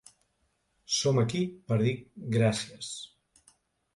Som aquí per dir gràcies.